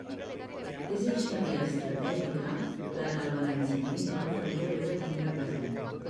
És eixa via estratègica la que el valencianisme faria bé de tindre present.